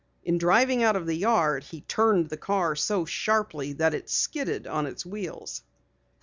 In driving out of the yard he turned the car so sharply that it skidded on its wheels.